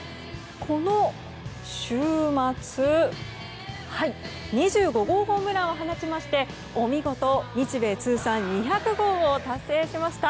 この週末２５号ホームランを放ちましてお見事、日米通算２００号を達成しました。